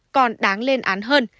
còn đáng lên án hơn